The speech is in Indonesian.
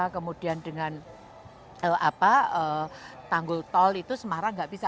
kemudian dengan tanggul tol itu semarang nggak bisa